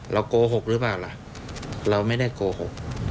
โกหกหรือเปล่าล่ะเราไม่ได้โกหก